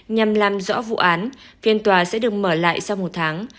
nhằm làm rõ vụ án phiên tòa sẽ được mở lại sau một tháng